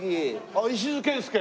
あっ石津謙介。